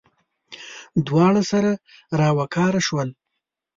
دواړه سره راوکاره شول.